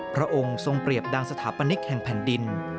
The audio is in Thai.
พระองค์ทรงเปรียบดังสถาปนิกแห่งแผ่นดิน